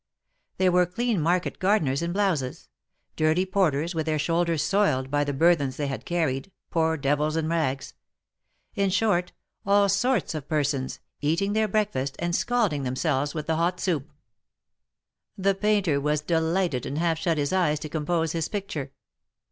There were clean market gardeners in blouses; dirty porters with 48 THE MARKETS OP PARIS. their shoulders soiled by the burthens they had carried, poor devils in rags ; in short, all sorts of persons, eating their breakfast, and scalding themselves with the hot soup. The painter was delighted, and half shut his eyes to compose his picture.